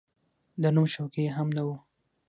د نوم شوقي یې هم نه و.